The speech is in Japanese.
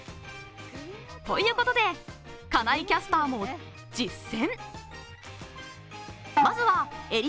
ということで、金井キャスターも実践！